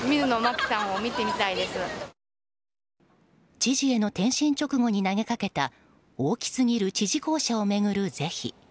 知事への転身直後に投げかけた大きすぎる知事公舎を巡る是非。